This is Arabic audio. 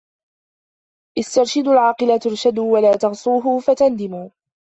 اسْتَرْشِدُوا الْعَاقِلَ تَرْشُدُوا وَلَا تَعْصُوهُ فَتَنْدَمُوا